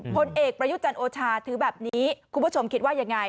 ผลเอกประยุจันทร์โอชาถือแบบนี้คุณผู้ชมคิดว่ายังไง